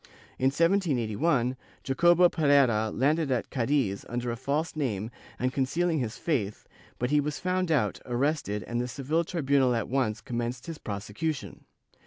In 1781, Jacobo Pereira landed at Cadiz under a false name and concealing his faith, but he was found out, arrested and the Seville tribunal at once commenced his prosecution.